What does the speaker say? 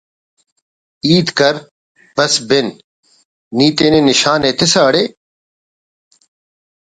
ہیت کر بس ہِن نی تینے نشان ایتسہ اڑے